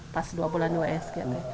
pas dua bulan dua es